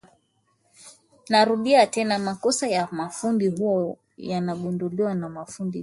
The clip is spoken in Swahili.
Narudia tena makosa ya mafundi huwa yanagunduliwa na mafundi tu